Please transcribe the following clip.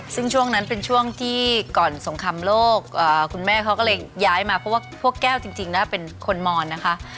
ซึ่งช่วงนั้นเป็นช่วงที่ก่อนสงครามโลกคุณแม่เขาก็เลยย้ายมาเพราะว่าพวกแก้วจริงนะเป็นคนมอนนะคะ